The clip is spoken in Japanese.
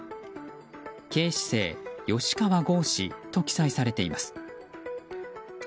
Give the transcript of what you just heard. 警視正・吉川剛司と記載されています。